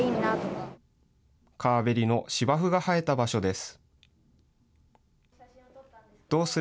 川べりの芝生が生えた場所です。